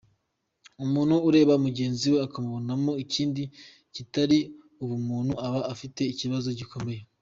Umuntu ureba mugenzi we akamubona mo ikindi kitari ubumuntu aba afite ikibazo gikomeye.